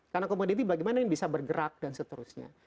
karena komoditi bagaimana yang bisa bergerak dan seterusnya